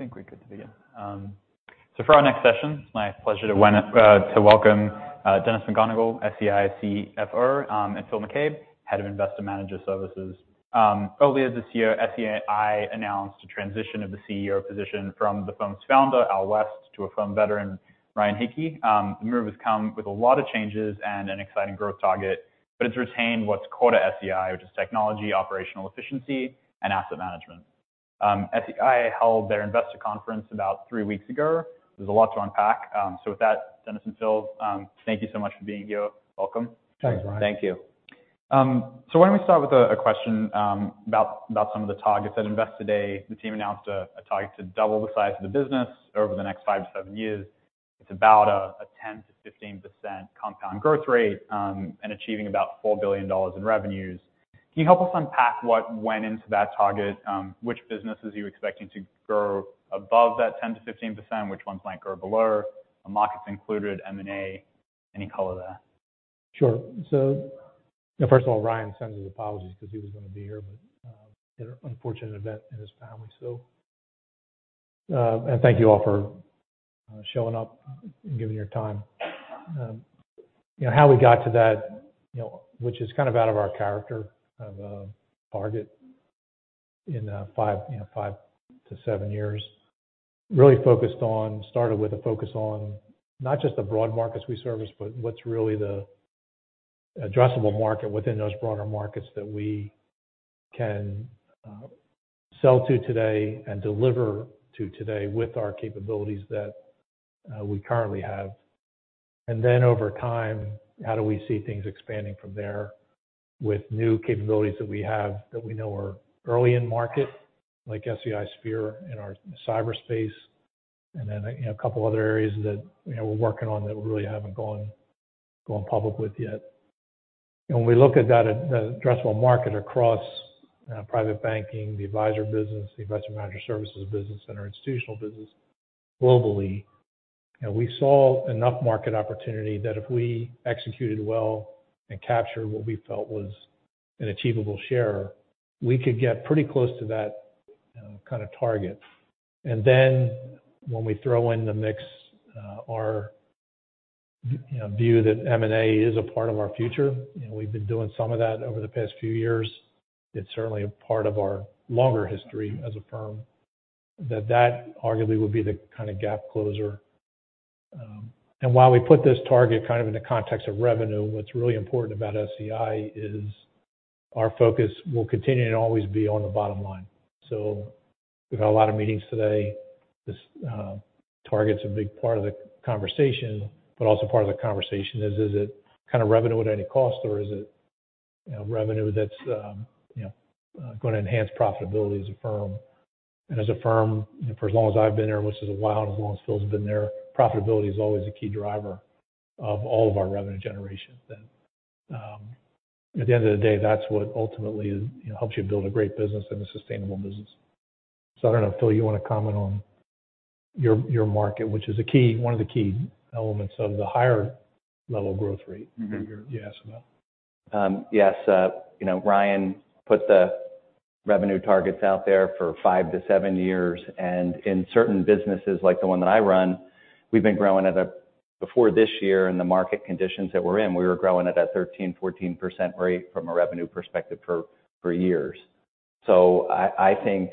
All right. I think we're good to begin. For our next session, it's my pleasure to welcome Dennis McGonigle, SEI CFO, and Phil McCabe, Head of Investment Manager Services. Earlier this year, SEI announced a transition of the CEO position from the firm's founder, Al West, to a firm veteran, Ryan Hicke. The move has come with a lot of changes and an exciting growth target, but it's retained what's core to SEI, which is technology, operational efficiency, and asset management. SEI held their investor conference about three weeks ago. There's a lot to unpack. With that, Dennis and Phil, thank you so much for being here. Welcome. Thanks, Ryan. Thank you. Why don't we start with a question about some of the targets. At Investor Day, the team announced a target to double the size of the business over the next 5-7 years. It's about a 10%-15% compound growth rate, and achieving about $4 billion in revenues. Can you help us unpack what went into that target? Which businesses are you expecting to grow above that 10%-15%? Which ones might grow below? Markets included, M&A. Any color there? Sure. First of all, Ryan sends his apologies because he was going to be here, but he had an unfortunate event in his family. Thank you all for showing up and giving your time. How we got to that, you know, which is kind of out of our character of a target in 5, you know, 5-7 years, really started with a focus on not just the broad markets we service, but what's really the addressable market within those broader markets that we can sell to today and deliver to today with our capabilities that we currently have. Over time, how do we see things expanding from there with new capabilities that we have that we know are early in market, like SEI Sphere in our cyberspace, and then a couple of other areas that, you know, we're working on that we really haven't gone public with yet. We look at that addressable market across private banking, the advisor business, the Investment Manager Services business, and our institutional business globally, we saw enough market opportunity that if we executed well and captured what we felt was an achievable share, we could get pretty close to that kind of target. When we throw in the mix our, you know, view that M&A is a part of our future, we've been doing some of that over the past few years. It's certainly a part of our longer history as a firm, that arguably would be the kind of gap closer. While we put this target kind of in the context of revenue, what's really important about SEI is our focus will continue to always be on the bottom line. We've had a lot of meetings today. This target's a big part of the conversation, but also part of the conversation is it kind of revenue at any cost or is it revenue that's, you know, going to enhance profitability as a firm? As a firm, for as long as I've been there, which is a while, and as long as Phil's been there, profitability is always a key driver of all of our revenue generation. At the end of the day, that's what ultimately, you know, helps you build a great business and a sustainable business. I don't know, Phil, you want to comment on your market, which is one of the key elements of the higher level growth rate you asked about? Yes. You know, Ryan put the revenue targets out there for 5-7 years. In certain businesses, like the one that I run, we've been growing before this year, in the market conditions that we're in, we were growing at that 13%-14% rate from a revenue perspective for years. I think,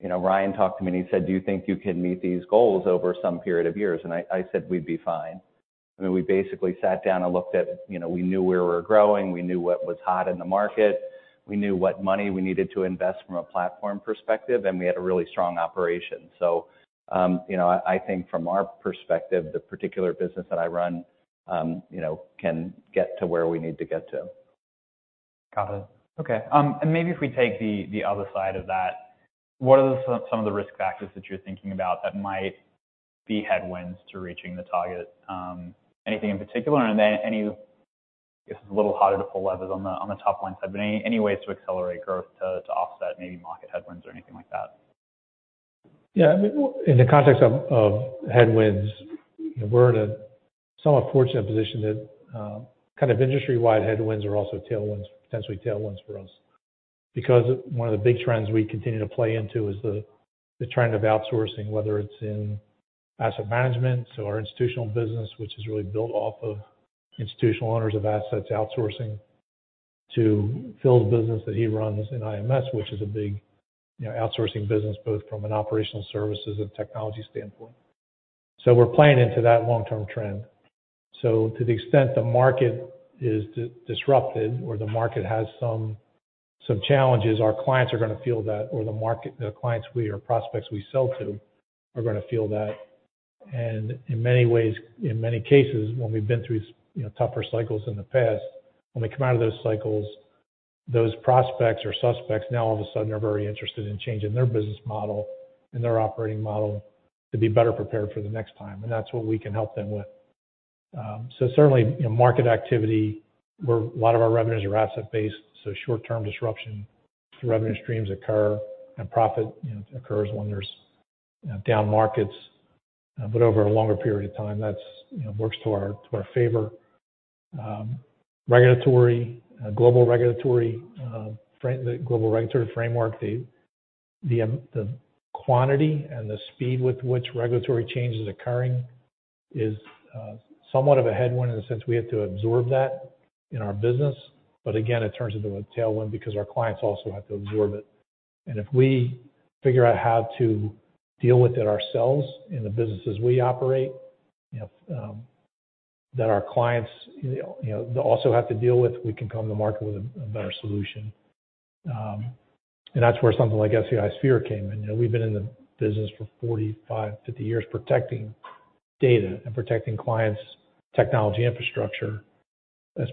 you know, Ryan talked to me and he said, "Do you think you can meet these goals over some period of years?" I said, "We'd be fine." I mean, we basically sat down and looked at... You know, we knew where we were growing, we knew what was hot in the market, we knew what money we needed to invest from a platform perspective, and we had a really strong operation. You know, I think from our perspective, the particular business that I run, you know, can get to where we need to get to. Got it. Okay. Maybe if we take the other side of that, what are some of the risk factors that you're thinking about that might be headwinds to reaching the target? Anything in particular? This is a little harder to pull levers on the, on the top-line side, but any ways to accelerate growth to offset maybe market headwinds or anything like that? Yeah. In the context of headwinds, we're in a somewhat fortunate position that, kind of industry-wide headwinds are also tailwinds, potentially tailwinds for us. One of the big trends we continue to play into is the trend of outsourcing, whether it's in asset management. Our institutional business, which is really built off of institutional owners of assets outsourcing to Phil's business that he runs in IMS, which is a big outsourcing business, both from an operational services and technology standpoint. We're playing into that long-term trend. To the extent the market is disrupted or the market has some challenges, our clients are going to feel that or the market, the clients we or prospects we sell to are going to feel that. In many ways, in many cases, when we've been through tougher cycles in the past, when we come out of those cycles, those prospects or suspects now all of a sudden are very interested in changing their business model and their operating model to be better prepared for the next time. That's what we can help them with. Certainly market activity, where a lot of our revenues are asset-based, so short-term disruption to revenue streams occur and profit occurs when there's down markets. Over a longer period of time, that's, you know, works to our, to our favor. Regulatory, global regulatory framework. The quantity and the speed with which regulatory change is occurring is somewhat of a headwind in the sense we have to absorb that in our business. Again, it turns into a tailwind because our clients also have to absorb it. If we figure out how to deal with it ourselves in the businesses we operate, you know, that our clients, you know, also have to deal with, we can come to the market with a better solution. That's where something like SEI Sphere came in. You know, we've been in the business for 45, 50 years protecting data and protecting clients' technology infrastructure as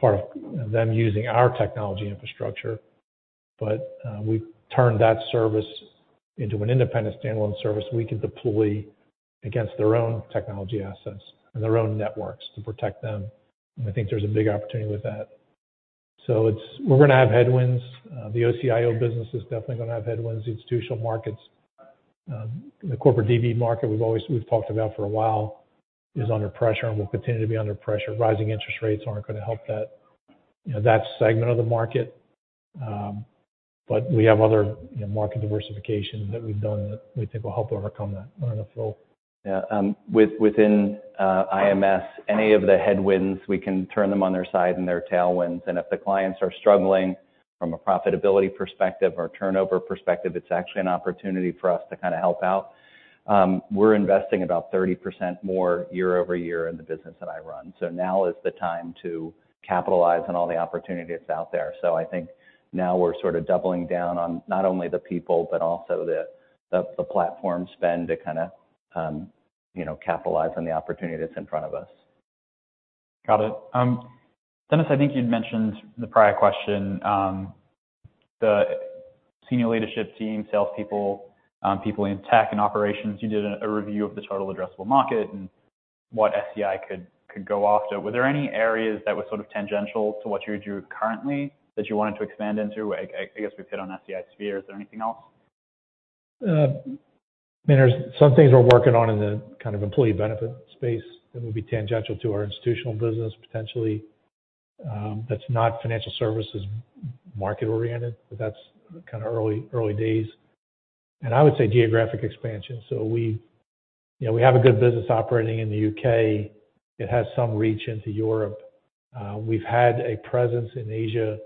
part of them using our technology infrastructure. We turned that service into an independent standalone service we could deploy against their own technology assets and their own networks to protect them. I think there's a big opportunity with that. It's we're gonna have headwinds. The OCIO business is definitely gonna have headwinds. Institutional markets, the corporate DB market we've talked about for a while, is under pressure and will continue to be under pressure. Rising interest rates aren't gonna help that, you know, that segment of the market. We have other, you know, market diversification that we've done that we think will help overcome that. I don't know, Phil. Within IMS, any of the headwinds, we can turn them on their side and their tailwinds. If the clients are struggling from a profitability perspective or a turnover perspective, it's actually an opportunity for us to kinda help out. We're investing about 30% more year-over-year in the business that I run. Now is the time to capitalize on all the opportunities out there. I think now we're sort of doubling down on not only the people, but also the platform spend to kinda, you know, capitalize on the opportunity that's in front of us. Got it. Dennis, I think you'd mentioned the prior question, the senior leadership team, salespeople, people in tech and operations. You did a review of the total addressable market and what SEI could go after. Were there any areas that were sort of tangential to what you do currently that you wanted to expand into? I guess we've hit on SEI Sphere. Is there anything else? I mean, there's some things we're working on in the kind of employee benefit space that would be tangential to our institutional business potentially. That's not financial services market-oriented, but that's kinda early days. I would say geographic expansion. We, you know, we have a good business operating in the UK. It has some reach into Europe. We've had a presence in Asia,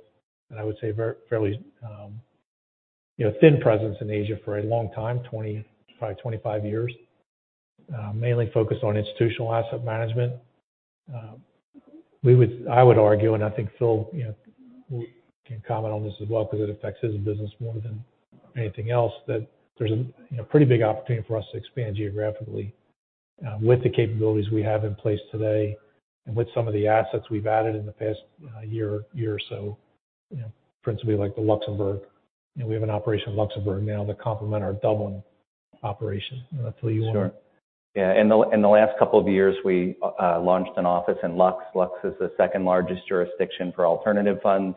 and I would say fairly, you know, thin presence in Asia for a long time, 20, probably 25 years, mainly focused on institutional asset management. I would argue, and I think Phil, you know, can comment on this as well 'cause it affects his business more than anything else, that there's a, you know, pretty big opportunity for us to expand geographically with the capabilities we have in place today and with some of the assets we've added in the past year or so. You know, principally like the Luxembourg. You know, we have an operation in Luxembourg now to complement our Dublin operation. Phil, you want to? Sure. Yeah. In the last couple of years, we launched an office in Lux. Lux is the second-largest jurisdiction for alternative funds.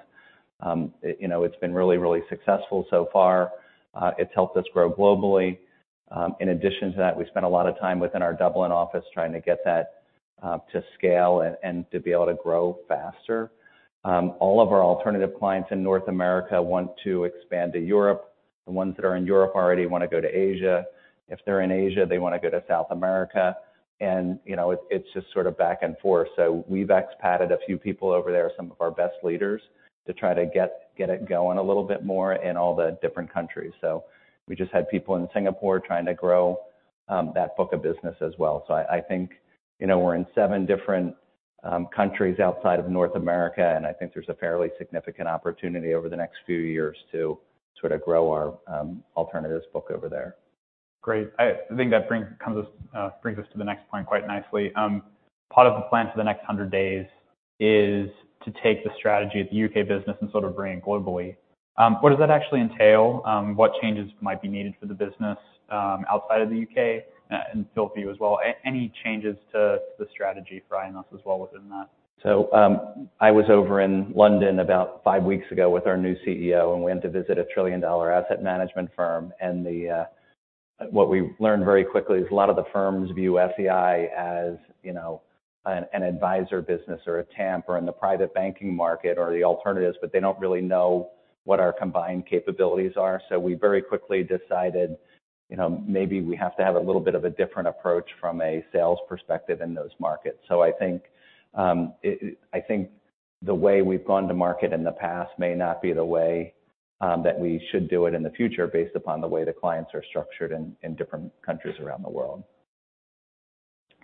It, you know, it's been really, really successful so far. It's helped us grow globally. In addition to that, we spent a lot of time within our Dublin office trying to get that to scale and to be able to grow faster. All of our alternative clients in North America want to expand to Europe. The ones that are in Europe already wanna go to Asia. If they're in Asia, they wanna go to South America. You know, it's just sort of back and forth. We've expatted a few people over there, some of our best leaders, to try to get it going a little bit more in all the different countries. We just had people in Singapore trying to grow that book of business as well. I think, you know, we're in seven different countries outside of North America, and I think there's a fairly significant opportunity over the next few years to sort of grow our alternatives book over there. Great. I think that brings us to the next point quite nicely. Part of the plan for the next 100 days is to take the strategy of the U.K. business and sort of bring it globally. What does that actually entail? What changes might be needed for the business outside of the U.K.? Phil, for you as well, any changes to the strategy for IAS as well within that? I was over in London about five weeks ago with our new CEO, and we went to visit a trillion-dollar asset management firm. What we learned very quickly is a lot of the firms view SEI as, you know, an advisor business or a TAMP or in the private banking market or the alternatives, but they don't really know what our combined capabilities are. We very quickly decided, you know, maybe we have to have a little bit of a different approach from a sales perspective in those markets. I think, I think the way we've gone to market in the past may not be the way that we should do it in the future based upon the way the clients are structured in different countries around the world.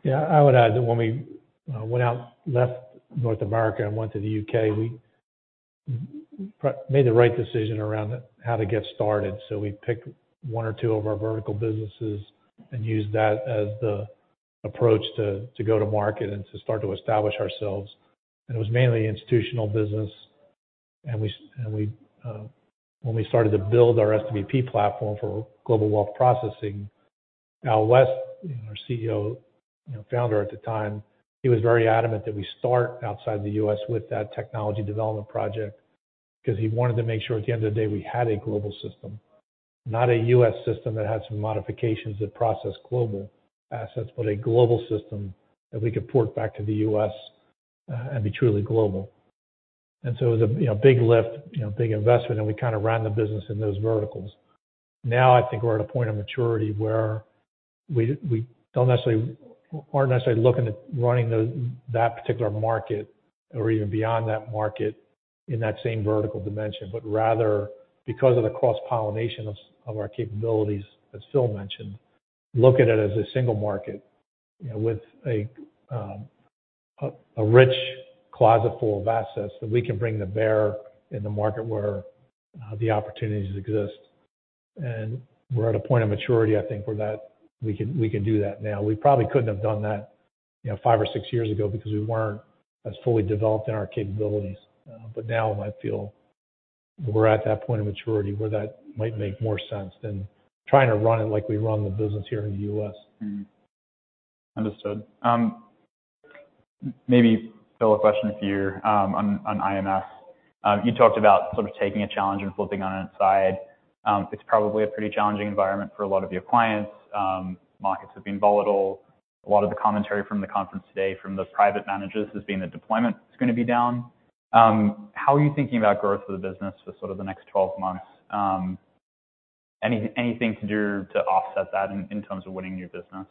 Yeah. I would add that when we went out, left North America and went to the U.K., we made the right decision around how to get started. We picked 1 or 2 of our vertical businesses and used that as the approach to go to market and to start to establish ourselves. It was mainly institutional business. We when we started to build our SVP platform for global wealth processing, Al West, our CEO, you know, founder at the time, he was very adamant that we start outside the U.S. with that technology development project because he wanted to make sure at the end of the day, we had a global system. Not a U.S. system that has some modifications that process global assets, but a global system that we could port back to the U.S. and be truly global. It was a, you know, big lift, you know, big investment, and we kind of ran the business in those verticals. Now I think we're at a point of maturity where we aren't necessarily looking at running that particular market or even beyond that market in that same vertical dimension, but rather because of the cross-pollination of our capabilities, as Phil mentioned, look at it as a single market, you know, with a rich closet full of assets that we can bring to bear in the market where the opportunities exist. we're at a point of maturity, I think, where that we can do that now. We probably couldn't have done that, you know, five or six years ago because we weren't as fully developed in our capabilities. Now I feel we're at that point of maturity where that might make more sense than trying to run it like we run the business here in the U.S. Understood. Maybe, Phil, a question for you, on IMS? You talked about sort of taking a challenge and flipping it on its side. It's probably a pretty challenging environment for a lot of your clients. Markets have been volatile. A lot of the commentary from the conference today from the private managers has been the deployment is gonna be down. How are you thinking about growth of the business for sort of the next 12 months? Anything to do to offset that in terms of winning new business?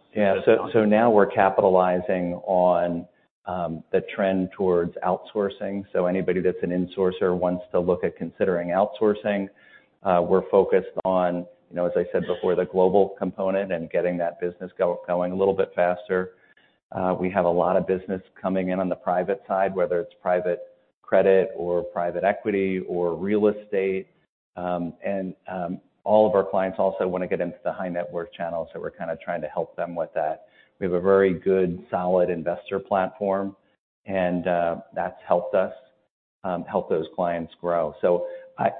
Now we're capitalizing on the trend towards outsourcing. Anybody that's an insourcer wants to look at considering outsourcing. We're focused on, you know, as I said before, the global component and getting that business going a little bit faster. We have a lot of business coming in on the private side, whether it's private credit or private equity or real estate. All of our clients also want to get into the high-net-worth channel, we're kind of trying to help them with that. We have a very good, solid investor platform, that's helped us help those clients grow.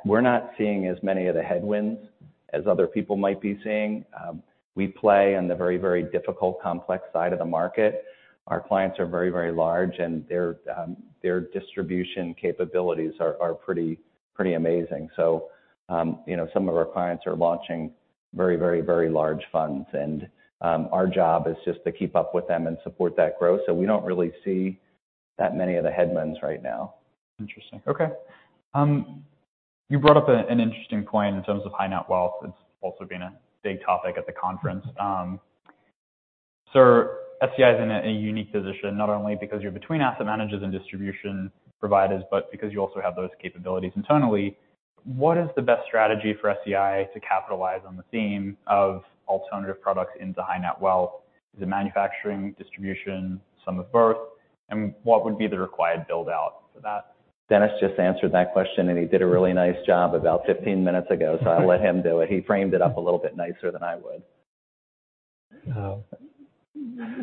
We're not seeing as many of the headwinds as other people might be seeing. We play in the very, very difficult, complex side of the market. Our clients are very, very large. Their distribution capabilities are pretty amazing. You know, some of our clients are launching very large funds and our job is just to keep up with them and support that growth. We don't really see that many of the headwinds right now. Interesting. Okay. You brought up an interesting point in terms of high-net-worth. It's also been a big topic at the conference. SEI is in a unique position, not only because you're between asset managers and distribution providers, but because you also have those capabilities internally. What is the best strategy for SEI to capitalize on the theme of alternative products into high-net-worth? Is it manufacturing, distribution, some of both? And what would be the required build-out for that? Dennis just answered that question, and he did a really nice job about 15 minutes ago, so I'll let him do it. He framed it up a little bit nicer than I would.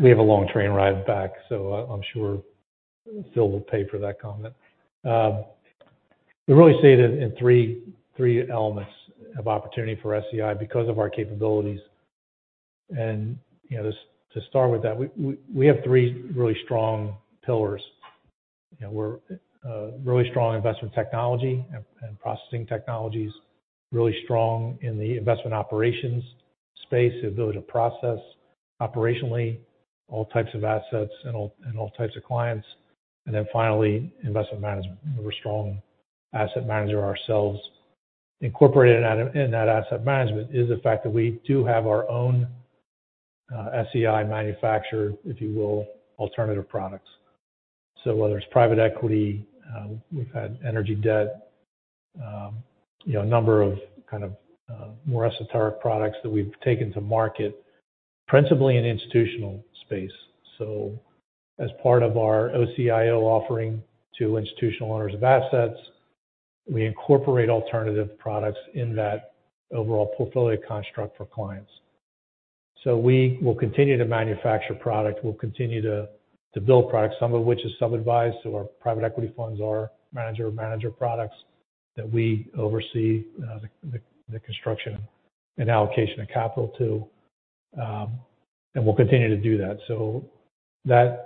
We have a long train ride back, so I'm sure Phil will pay for that comment. We really see it in three elements of opportunity for SEI because of our capabilities. You know, to start with that, we have three really strong pillars. You know, we're a really strong investment technology and processing technologies, really strong in the investment operations space, the ability to process operationally all types of assets and all types of clients. Then finally, investment management. We're a strong asset manager ourselves. Incorporated in that asset management is the fact that we do have our own SEI manufactured, if you will, alternative products. Whether it's private equity, we've had energy debt, you know, a number of kind of more esoteric products that we've taken to market, principally in institutional space. As part of our OCIO offering to institutional owners of assets, we incorporate alternative products in that overall portfolio construct for clients. We will continue to manufacture product. We'll continue to build products, some of which is sub-advised. Our private equity funds are manager of manager products that we oversee the construction and allocation of capital to. And we'll continue to do that.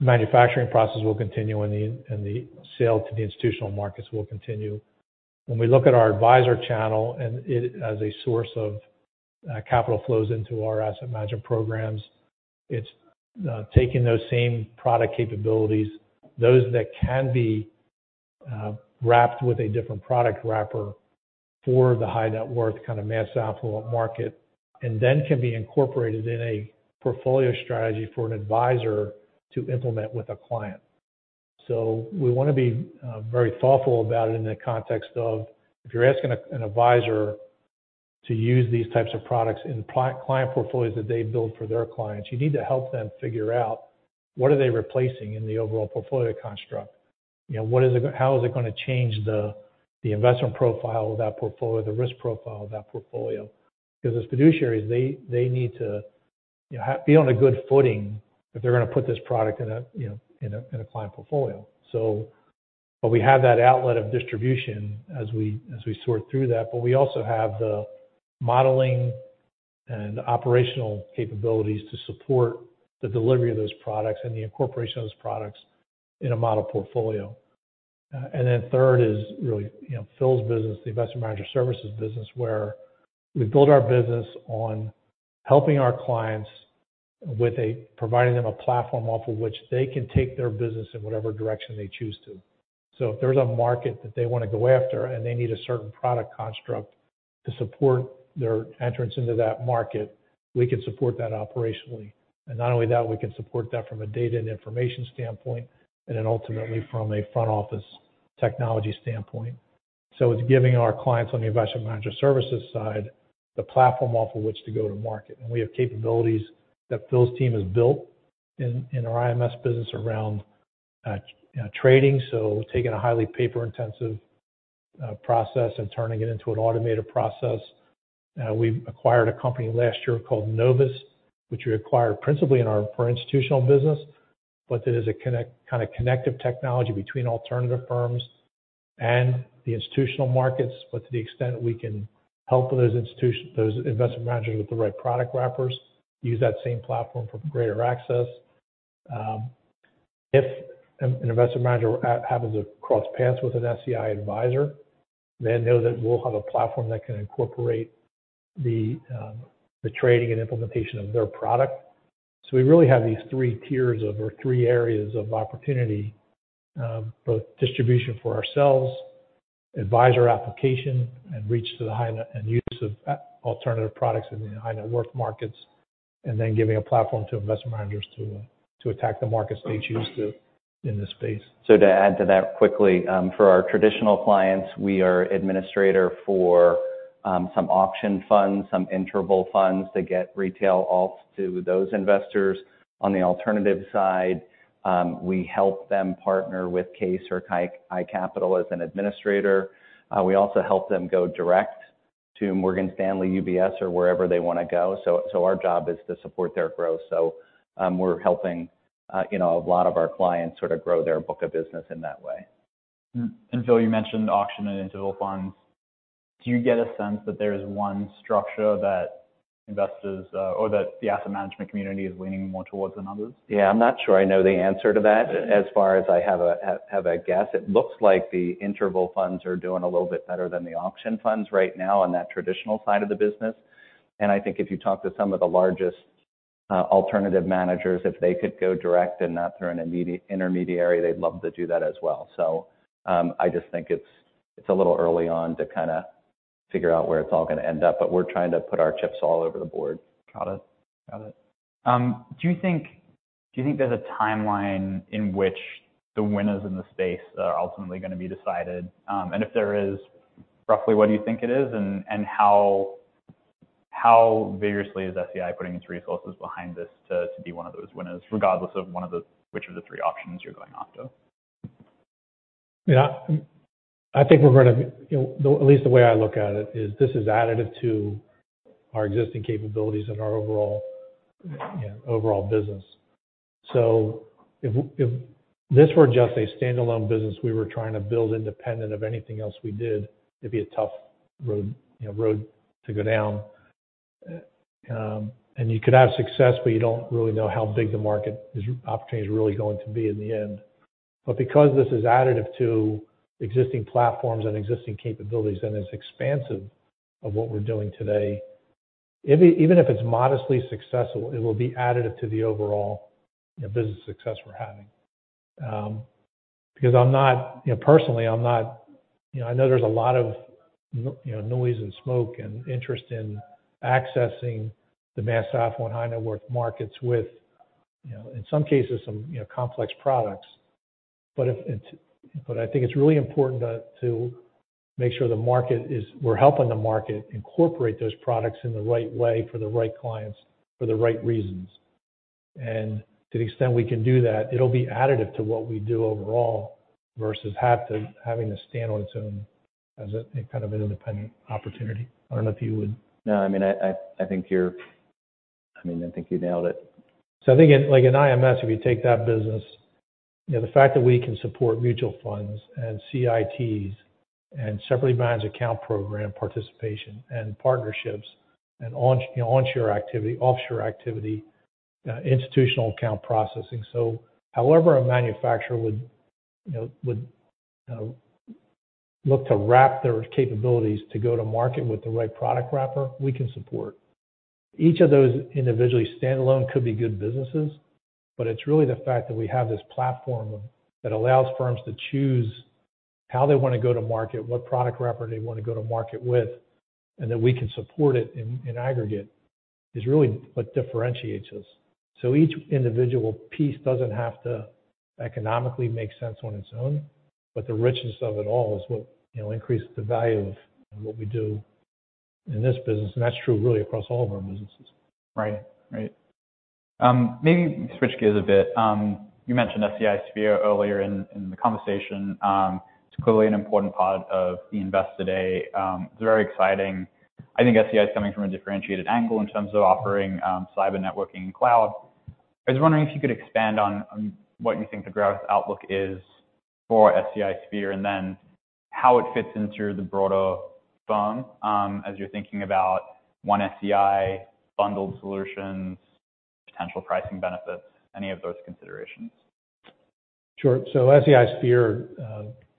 That manufacturing process will continue and the sale to the institutional markets will continue. When we look at our advisor channel and it as a source of capital flows into our asset management programs, it's taking those same product capabilities, those that can be wrapped with a different product wrapper for the high-net worth kind of mass affluent market, and then can be incorporated in a portfolio strategy for an advisor to implement with a client. We wanna be very thoughtful about it in the context of, if you're asking an advisor to use these types of products in client portfolios that they build for their clients, you need to help them figure out what are they replacing in the overall portfolio construct. You know, how is it gonna change the investment profile of that portfolio, the risk profile of that portfolio? Because as fiduciaries, they need to, you know, be on a good footing if they're gonna put this product in a, you know, in a, in a client portfolio. But we have that outlet of distribution as we sort through that, but we also have the modeling and operational capabilities to support the delivery of those products and the incorporation of those products in a model portfolio. Then third is really, you know, Phil's business, the Investment Manager Services business, where we build our business on helping our clients with providing them a platform off of which they can take their business in whatever direction they choose to. If there's a market that they want to go after, and they need a certain product construct to support their entrance into that market, we can support that operationally. Not only that, we can support that from a data and information standpoint, then ultimately from a front office technology standpoint. It's giving our clients on the Investment Manager Services side, the platform off of which to go to market. We have capabilities that Phil's team has built in our IMS business around, you know, trading. Taking a highly paper-intensive process and turning it into an automated process. We acquired a company last year called Novus, which we acquired principally for institutional business, but it is a kind of connective technology between alternative firms and the institutional markets. To the extent we can help those institutions, those investment managers with the right product wrappers use that same platform for greater access. If an investment manager happens to cross paths with an SEI advisor, then know that we'll have a platform that can incorporate the trading and implementation of their product. We really have these three tiers of, or three areas of opportunity, both distribution for ourselves, advisor application, and reach to the high net-- and use of alternative products in the high net worth markets, and then giving a platform to investment managers to attack the markets they choose to in this space. To add to that quickly, for our traditional clients, we are administrator for some Auction Funds, some interval funds to get retail alts to those investors. On the alternative side, we help them partner with CAIS or iCapital as an administrator. We also help them go direct to Morgan Stanley, UBS, or wherever they wanna go. So our job is to support their growth. We're helping, you know, a lot of our clients sort of grow their book of business in that way. Phil, you mentioned Auction Funds and interval funds. Do you get a sense that there's one structure that investors, or that the asset management community is leaning more towards than others? Yeah. I'm not sure I know the answer to that. As far as I have a guess, it looks like the interval funds are doing a little bit better than the auction funds right now on that traditional side of the business. I think if you talk to some of the largest alternative managers, if they could go direct and not through an intermediary, they'd love to do that as well. I just think it's a little early on to kinda figure out where it's all gonna end up, but we're trying to put our chips all over the board. Got it. Got it. Do you think there's a timeline in which the winners in the space are ultimately gonna be decided? If there is, roughly, what do you think it is, and how vigorously is SEI putting its resources behind this to be one of those winners, regardless of which of the three options you're going after? Yeah. I think we're gonna... You know, at least the way I look at it is this is additive to our existing capabilities and our overall business. If this were just a standalone business we were trying to build independent of anything else we did, it'd be a tough road to go down. You could have success, but you don't really know how big the market opportunity is really going to be in the end. Because this is additive to existing platforms and existing capabilities, and it's expansive of what we're doing today, even if it's modestly successful, it will be additive to the overall, you know, business success we're having. Because I'm not... You know, personally, I'm not... You know, I know there's a lot of, you know, noise and smoke and interest in accessing the mass affluent high net worth markets with, you know, in some cases, some, you know, complex products. I think it's really important to make sure the market is, we're helping the market incorporate those products in the right way for the right clients for the right reasons. To the extent we can do that, it'll be additive to what we do overall versus having to stand on its own as a, kind of an independent opportunity. I don't know if you would- No, I mean, I think you nailed it. I think in, like in IMS, if you take that business, you know, the fact that we can support mutual funds and CITs and separately managed account program participation and partnerships and onshore activity, offshore activity, institutional account processing. However a manufacturer would, you know, look to wrap their capabilities to go to market with the right product wrapper, we can support. Each of those individually standalone could be good businesses, it's really the fact that we have this platform that allows firms to choose how they wanna go to market, what product wrapper they wanna go to market with, and that we can support it in aggregate, is really what differentiates us. Each individual piece doesn't have to economically make sense on its own, but the richness of it all is what, you know, increases the value of what we do in this business, and that's true really across all of our businesses. Right. Right. Maybe switch gears a bit. You mentioned SEI Sphere earlier in the conversation. It's clearly an important part of the Investor Day. It's very exciting. I think SEI is coming from a differentiated angle in terms of offering cyber networking cloud. I was wondering if you could expand on what you think the growth outlook is for SEI Sphere, and then how it fits into the broader firm as you're thinking about one SEI bundled solutions, potential pricing benefits, any of those considerations. Sure. SEI Sphere,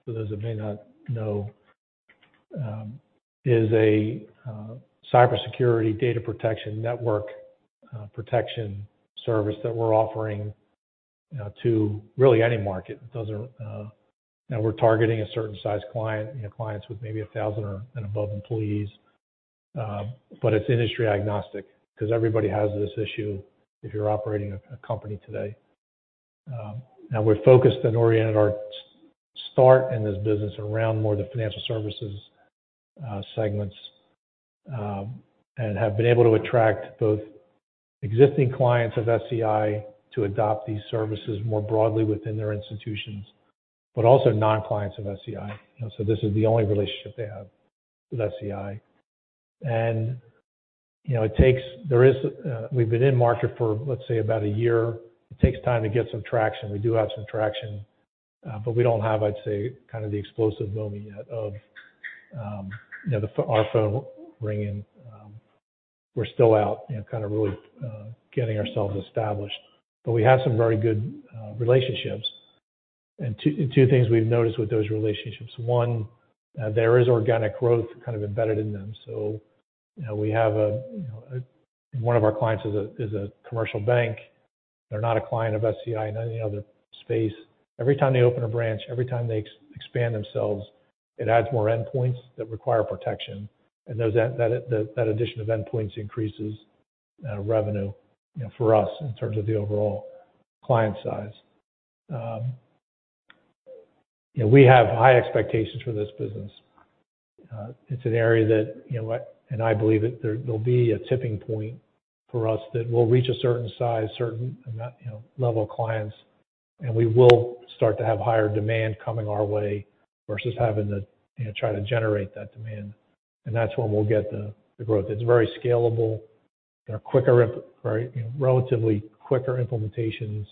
for those that may not know, is a cybersecurity data protection network, protection service that we're offering to really any market. We're targeting a certain size client, clients with maybe 1,000 or and above employees. It's industry agnostic because everybody has this issue if you're operating a company today. We're focused and oriented our start in this business around more the financial services segments, and have been able to attract both existing clients of SEI to adopt these services more broadly within their institutions, but also non-clients of SEI. This is the only relationship they have with SEI. You know, We've been in market for, let's say, about a year. It takes time to get some traction. We do have some traction, but we don't have, I'd say, kind of the explosive moment yet of, you know, our phone ringing. We're still out, kind of really, getting ourselves established. We have some very good relationships. Two things we've noticed with those relationships. One, there is organic growth kind of embedded in them. You know, we have one of our clients is a, is a commercial bank. They're not a client of SEI in any other space. Every time they open a branch, every time they expand themselves, it adds more endpoints that require protection. That addition of endpoints increases revenue, you know, for us in terms of the overall client size. We have high expectations for this business. It's an area that, you know, I believe that there'll be a tipping point for us that we'll reach a certain size, certain amount, you know, level of clients. We will start to have higher demand coming our way versus having to, you know, try to generate that demand. That's when we'll get the growth. It's very scalable. They're relatively quicker implementations.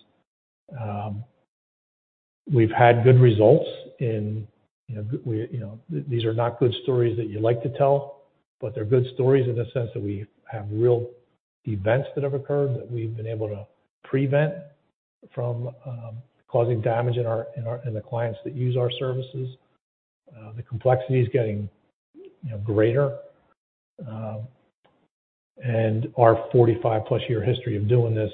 We've had good results in, you know, these are not good stories that you like to tell, but they're good stories in the sense that we have real events that have occurred that we've been able to prevent from causing damage in our, in the clients that use our services. The complexity is getting, you know, greater, and our 45-plus year history of doing this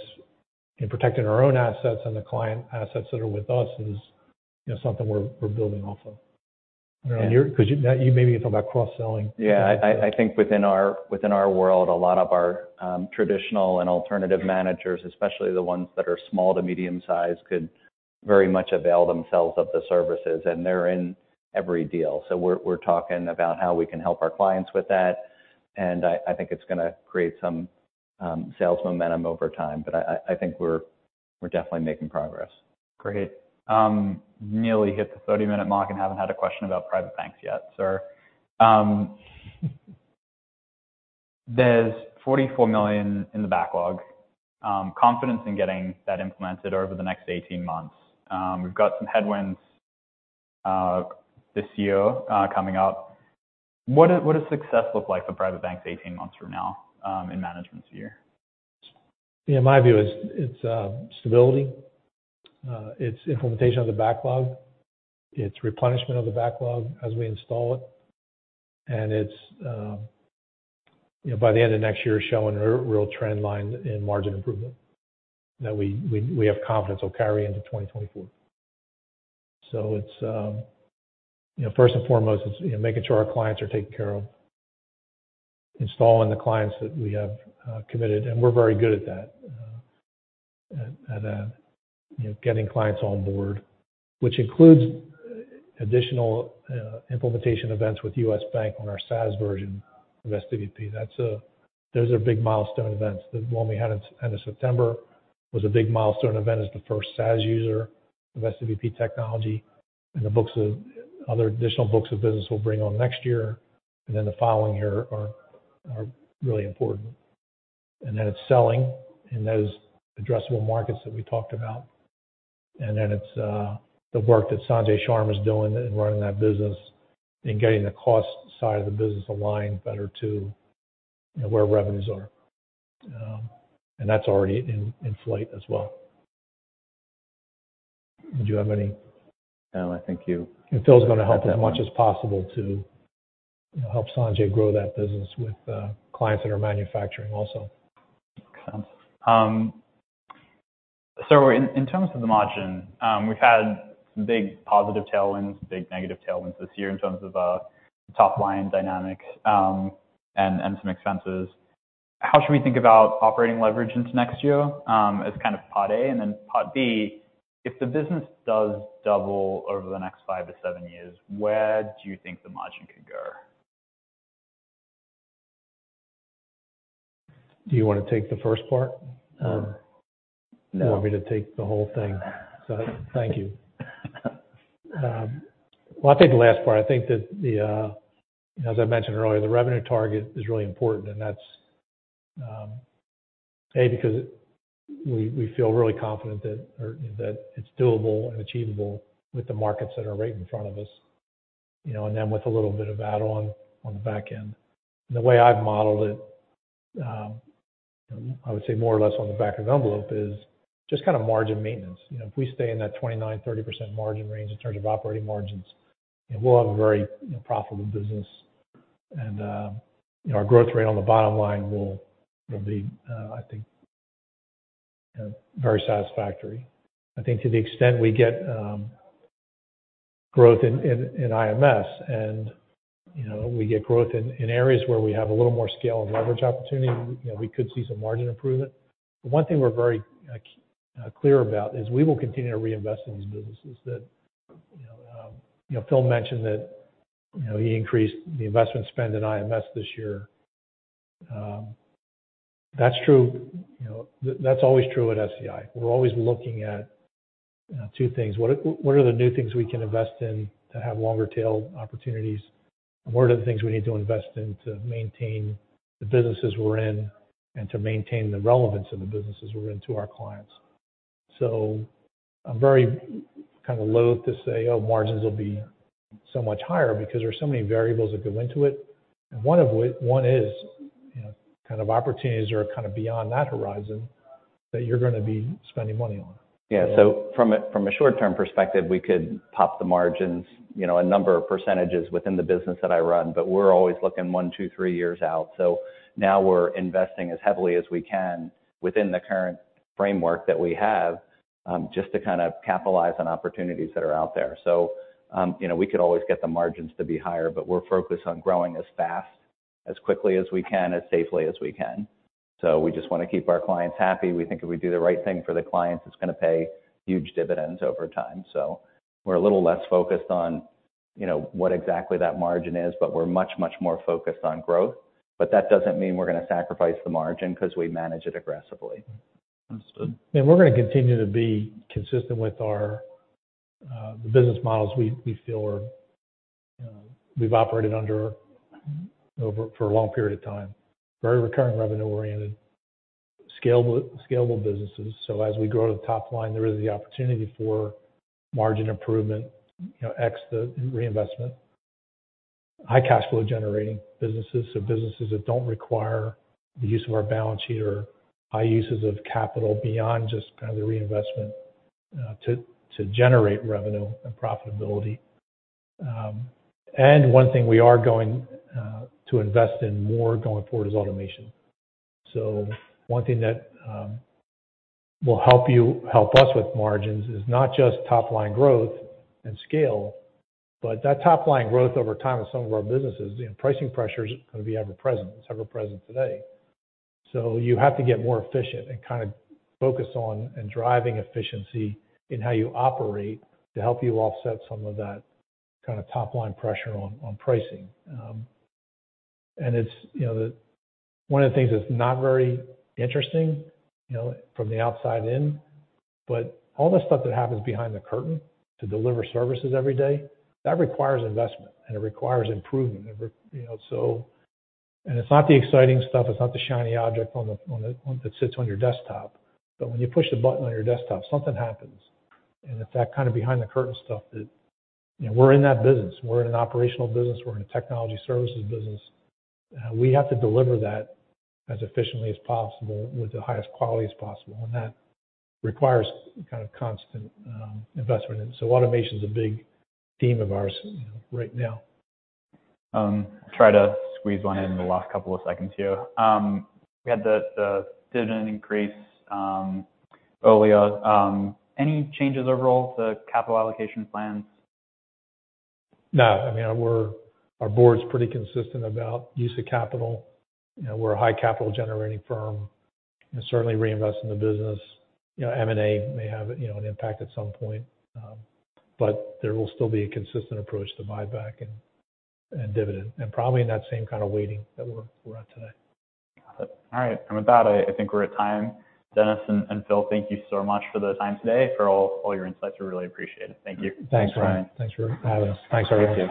in protecting our own assets and the client assets that are with us is, you know, something we're building off of. Maybe you can talk about cross-selling? Yeah. I think within our world, a lot of our traditional and alternative managers, especially the ones that are small to medium size, could very much avail themselves of the services. They're in every deal. We're talking about how we can help our clients with that, and I think it's gonna create some sales momentum over time. I think we're definitely making progress. Great. Nearly hit the 30-minute mark and haven't had a question about private banks yet, so. There's $44 million in the backlog. Confidence in getting that implemented over the next 18 months. We've got some headwinds this year coming up. What does success look like for private banks 18 months from now in management's view? In my view, it's stability, it's implementation of the backlog, it's replenishment of the backlog as we install it, and it's, you know, by the end of next year, showing a real trend line in margin improvement that we have confidence will carry into 2024. It's, you know, first and foremost, it's, you know, making sure our clients are taken care of, installing the clients that we have committed, and we're very good at that. At, you know, getting clients on board, which includes additional implementation events with U.S. Bank on our SaaS version of SWP. Those are big milestone events. The one we had at end of September was a big milestone event as the first SaaS user of SWP technology. The other additional books of business we'll bring on next year and then the following year are really important. Then it's selling in those addressable markets that we talked about. Then it's the work that Sanjay Sharma is doing in running that business and getting the cost side of the business aligned better to where revenues are. That's already in flight as well. Did you have any? No, I think. Phil's gonna help as much as possible to help Sanjay grow that business with clients that are manufacturing also. In terms of the margin, we've had some big positive tailwinds, big negative tailwinds this year in terms of, top line dynamics, and some expenses. How should we think about operating leverage into next year, as kind of part A and then part B, if the business does double over the next 5 to 7 years, where do you think the margin could go? Do you wanna take the first part? No. You want me to take the whole thing. Thank you. Well, I'll take the last part. I think that the, as I mentioned earlier, the revenue target is really important, and that's A, because we feel really confident that it's doable and achievable with the markets that are right in front of us, you know, and then with a little bit of add-on on the back end. The way I've modeled it, I would say more or less on the back of the envelope, is just kind of margin maintenance. You know, if we stay in that 29%-30% margin range in terms of operating margins, we'll have a very profitable business. Our growth rate on the bottom line will be, I think, very satisfactory. I think to the extent we get, growth in IMS and, you know, we get growth in areas where we have a little more scale and leverage opportunity, you know, we could see some margin improvement. One thing we're very clear about is we will continue to reinvest in these businesses. That, you know, you know, Phil mentioned that, you know, he increased the investment spend in IMS this year. That's true. You know, that's always true at SEI. We're always looking at two things. What are the new things we can invest in to have longer tail opportunities? What are the things we need to invest in to maintain the businesses we're in and to maintain the relevance of the businesses we're in to our clients? I'm very kind of loath to say, "Oh, margins will be so much higher," because there's so many variables that go into it. One is, you know, kind of opportunities are kind of beyond that horizon that you're going to be spending money on. Yeah. From a, from a short-term perspective, we could pop the margins, you know, a number of % within the business that I run. We're always looking 1, 2, 3 years out. Now we're investing as heavily as we can within the current framework that we have, just to kind of capitalize on opportunities that are out there. You know, we could always get the margins to be higher, but we're focused on growing as fast, as quickly as we can, as safely as we can. We just want to keep our clients happy. We think if we do the right thing for the clients, it's gonna pay huge dividends over time. We're a little less focused on, you know, what exactly that margin is, but we're much, much more focused on growth. That doesn't mean we're gonna sacrifice the margin because we manage it aggressively. Understood. We're gonna continue to be consistent with our, the business models we feel are, you know, we've operated under over for a long period of time, very recurring revenue-oriented, scalable businesses. As we grow to the top line, there is the opportunity for margin improvement, you know, ex the reinvestment. High cash flow generating businesses that don't require the use of our balance sheet or high uses of capital beyond just kind of the reinvestment, to generate revenue and profitability. One thing we are going to invest in more going forward is automation. One thing that will help us with margins is not just top line growth and scale, but that top line growth over time in some of our businesses, you know, pricing pressure is gonna be ever present. It's ever present today. You have to get more efficient and kind of focus on and driving efficiency in how you operate to help you offset some of that kind of top line pressure on pricing. It's, you know, one of the things that's not very interesting, you know, from the outside in, but all the stuff that happens behind the curtain to deliver services every day, that requires investment and it requires improvement. You know, it's not the exciting stuff. It's not the shiny object on the that sits on your desktop. When you push the button on your desktop, something happens. It's that kind of behind the curtain stuff that, you know, we're in that business. We're in an operational business. We're in a technology services business. We have to deliver that as efficiently as possible with the highest quality as possible. That requires kind of constant investment. Automation is a big theme of ours, you know, right now. Try to squeeze one in the last couple of seconds here. We had the dividend increase earlier. Any changes overall to capital allocation plans? No. I mean, we're our board's pretty consistent about use of capital. You know, we're a high capital generating firm and certainly reinvest in the business. You know, M&A may have, you know, an impact at some point, there will still be a consistent approach to buyback and dividend, and probably in that same kind of weighting that we're at today. Got it. All right. With that, I think we're at time. Dennis and Phil, thank you so much for the time today, for all your insights. We really appreciate it. Thank you. Thanks, Ryan. Thanks for having us. Thanks, everyone.